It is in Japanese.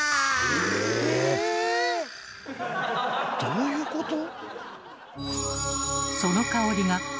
どういうこと？